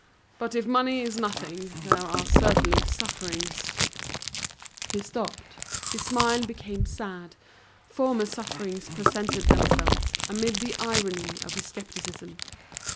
But if money is nothing, there are certain sufferings—" He stopped, his smile became sad, former sufferings presented themselves amid the irony of his skepticism.